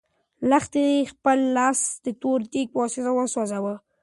لښتې خپل لاس د تور دېګ په واسطه وسوځاوه.